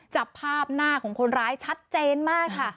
จับภาพหน้าของคนร้ายชัดเจนมากค่ะ